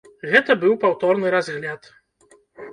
Гэта быў паўторны разгляд.